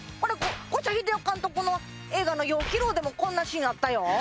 五社英雄監督の映画の「陽暉楼」でもこんなシーンあったよ